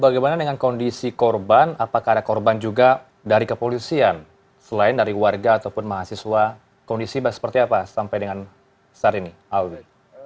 bagaimana dengan kondisi korban apakah ada korban juga dari kepolisian selain dari warga ataupun mahasiswa kondisi seperti apa sampai dengan saat ini alwi